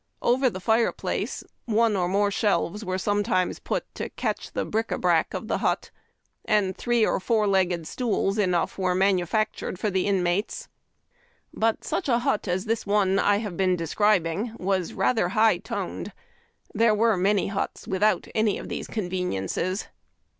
Over the fire place one or more shelves were sometimes put to catch the hric d hrac of the hut ; and three or four legged stools enough were manufactured for the inmates. But such a hut as this one I have been describing was rather high toned. There were many huts without any of these conveniences.